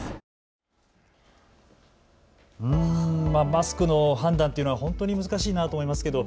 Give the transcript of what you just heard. マスクの判断というのは本当に難しいなと思いますけど。